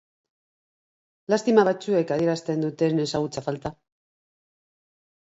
Lastima batzuek adierazten duten ezagutza falta.